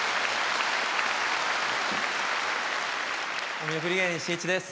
お見送り芸人しんいちです。